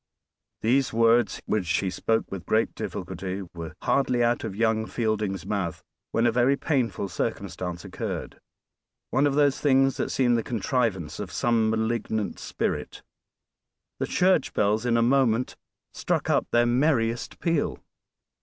These words, which he spoke with great difficulty, were hardly out of young Fielding's mouth when a very painful circumstance occurred; one of those things that seem the contrivance of some malignant spirit. The church bells in a moment struck up their merriest peal!